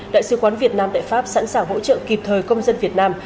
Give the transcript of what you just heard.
đại sứ quán việt nam tại pháp sẵn sàng hỗ trợ kịp thời công dân việt nam